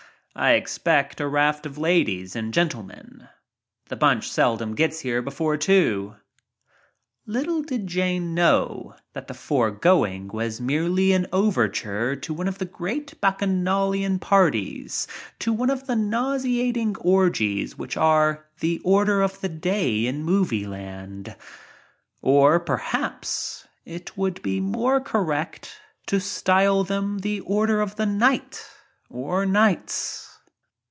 I expect a raft of ladies and gentlemen. The bunch seldom gets here before ft did Jane know that the foregoing was merely an pverture to one of the great bacchanalian parties, to one of the nauseating orgies which are the order of the day in Movieland. Or, perhaps, it would be more correct to style them the order of the night, or nights.